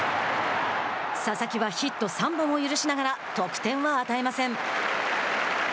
佐々木はヒット３本を許しながら得点は与えません。